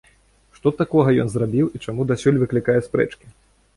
Што такога ён зрабіў і чаму дасюль выклікае спрэчкі?